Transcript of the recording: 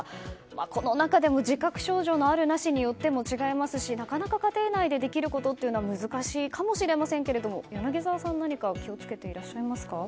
この中でも自覚症状のあるなしでも違いますし家庭内でできることは難しいかもしれませんが柳澤さん、何か気を付けていらっしゃいますか。